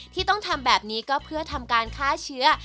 ที่ต้องทำแบบนี้ก็เพื่อทำการฆ่าเชื้อ